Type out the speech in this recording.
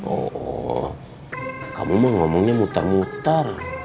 oh kamu mah ngomongnya mutar mutar